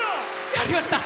やりました！